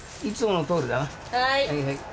いつものとおりだな。